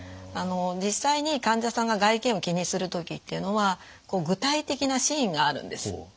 あの実際に患者さんが外見を気にする時っていうのは具体的なシーンがあるんです。